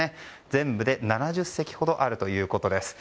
全部で７０席ほどあるということです。